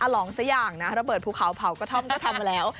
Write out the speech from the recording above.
อลองสักอย่างนะระเบิดภูเขาเผาก็ทำแล้ว